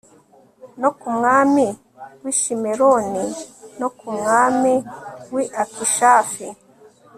no ku mwami w'i shimeroni no ku mwami w'i akishafi